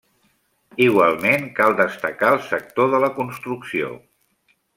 Igualment cal destacar el sector de la construcció.